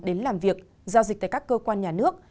đến làm việc giao dịch tại các cơ quan nhà nước